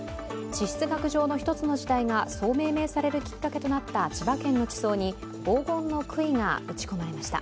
地質学上の１つの時代がそう命名されるきっかけとなった千葉県の地層に黄金のくいが打ち込まれました。